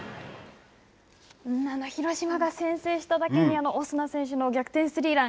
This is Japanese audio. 広島が先制しただけにオスナ選手の逆転スリーラン